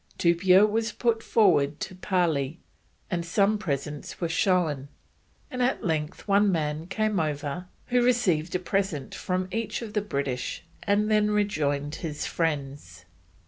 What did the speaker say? Tupia was put forward to parley, and some presents were shown, and at length one man came over who received a present from each of the British and then rejoined his friends.